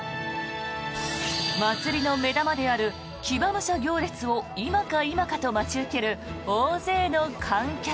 祭りの目玉である騎馬武者行列を今か今かと待ち受ける大勢の観客。